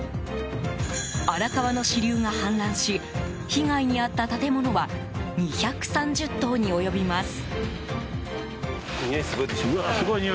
荒川の支流が氾濫し被害に遭った建物は２３０棟に及びます。